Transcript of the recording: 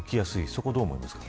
そこはどう思いますか。